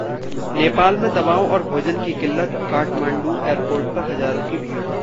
नेपाल में दवाओं और भोजन की किल्लत, काठमांडू एयरपोर्ट पर हजारों की भीड़